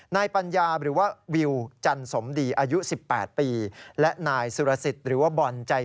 นายปัญญาหรือว่าวิวจันสมดีอายุ๑๘ปี